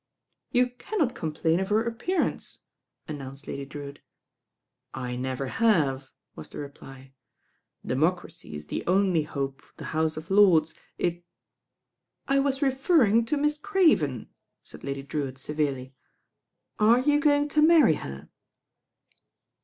"You cannot complain of her appearance," an '' unced Lady Drewitt. "I never have," was the reply. "Democracy it the only hope of the House of Lords. It " "I was referring to Miss Craven," said Lady Drewitt severely. "Are you going to marry her?"